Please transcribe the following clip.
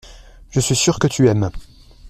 Je suis sûr que tu aimes.